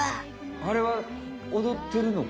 あれはおどってるのか？